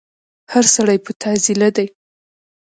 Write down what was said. هر سړی په تعضيله دی